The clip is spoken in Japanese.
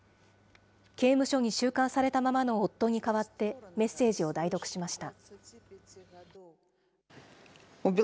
刑務所に収監されたままの夫に代わってメッセージを代読しました。